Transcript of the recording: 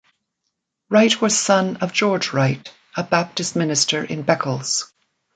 Wright was son of George Wright, a Baptist minister in Beccles.